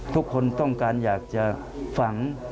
ทุกคนต้องการอยากจะฝัง